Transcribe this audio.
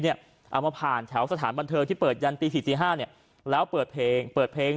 เอามาผ่านแถวสถานบันเทิงที่เปิดยันตี๔๔๕แล้วเปิดเพลง